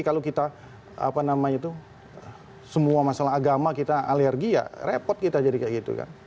kalau kita semua masalah agama kita alergi ya repot kita jadi kayak gitu kan